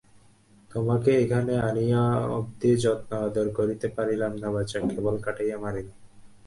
তোমাকে এখানে আনিয়া অবধি যত্ন-আদর করিতে পারিলাম না বাছা, কেবল খাটাইয়া মারিলাম।